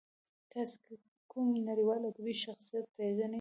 تاسې که کوم نړیوال ادبي شخصیت پېژنئ.